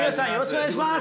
お願いします。